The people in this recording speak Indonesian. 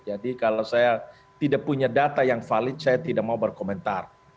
jadi kalau saya tidak punya data yang valid saya tidak mau berkomentar